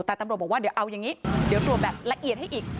แต่ตำรวจบอกว่าเดี๋ยวเอาอย่างนี้เดี๋ยวตรวจแบบละเอียดให้อีก